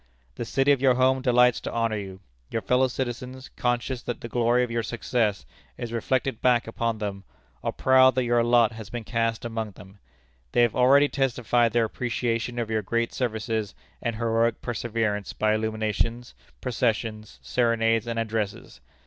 The city of your home delights to honor you; your fellow citizens, conscious that the glory of your success is reflected back upon them, are proud that your lot has been cast among them. They have already testified their appreciation of your great services and heroic perseverance by illuminations, processions, serenades, and addresses.